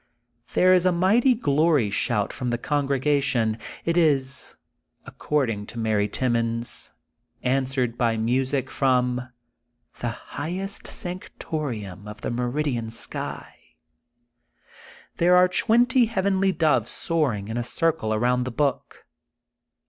There is a mighty glory shout from the congregation. It is, according to Mary Timmons, answered by music from *' the highest sanctorium of the meridian sky.*' There are twenty heavenly doves soaring in a circle around the book.